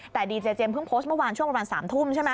แต่ดีเจเจมสเพิ่งโพสต์เมื่อวานช่วงประมาณ๓ทุ่มใช่ไหม